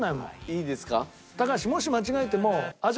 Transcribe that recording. いいですか？